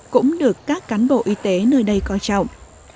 cũng được các cán bộ y tế nơi đây coi trọng